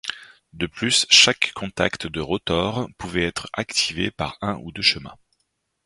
De plus, chaque contact de rotor pouvait être activé par un ou deux chemins.